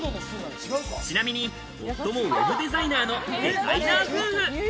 ちなみに夫もウェブデザイナーのデザイナー夫婦。